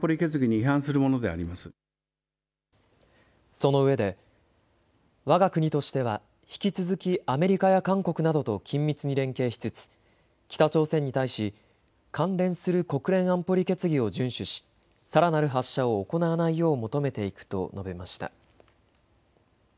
そのうえでわが国としては引き続きアメリカや韓国などと緊密に連携しつつ北朝鮮に対し関連する国連安保理決議を順守しさらなる発射を行わないよう求めていくと述べました。